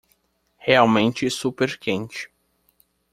Realmente super quente